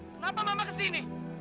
kenapa mama kesini